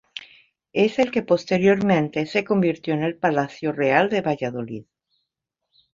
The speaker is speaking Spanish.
Es el que posteriormente se convirtió en el Palacio Real de Valladolid.